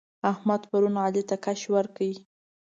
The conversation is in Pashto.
احمد پرون علي ته کش ورکړ.